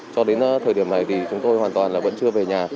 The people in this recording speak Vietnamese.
cho đến thời điểm này thì chúng tôi hoàn toàn là vẫn chưa về nhà